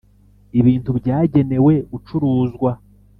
ibintu byagenewe gucuruzwa